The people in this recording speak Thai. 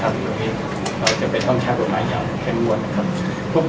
อย่างนี้เราจะไปต้องใช้กฎหมายใหญ่แค่มวลนะครับ